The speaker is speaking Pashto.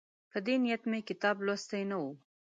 په دې نیت مې کتاب لوستی نه وو.